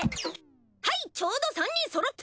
はいちょうど３人そろった！